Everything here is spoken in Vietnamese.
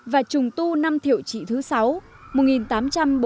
và trùng tu năm thiệu trị thứ sáu mùa một nghìn tám trăm bốn mươi sáu